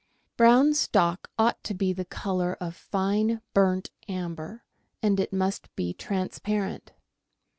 Brown stock ought to be the colour of fine burnt amber, and it must be transparent.